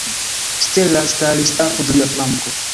Stella staris apud lia flanko.